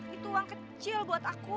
itu uang kecil buat aku